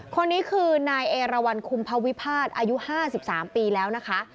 คนนี้คือนายเอราวันคุมพวิพาทอายุ๕๓ปีแล้วนะคะ